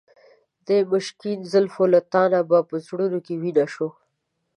د مشکین زلفو له تابه په زړونو کې وینه شوه.